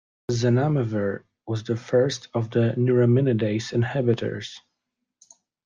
Zanamivir was the first of the neuraminidase inhibitors.